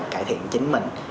cải thiện chính mình